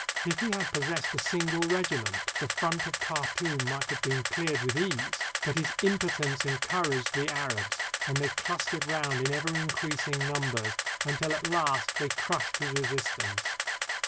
If he had possessed a single regiment, the front of Khartoum might have been cleared with ease; but his impotence encouraged the Arabs, and they clustered round in ever increasing numbers, until at last they crushed his resistance.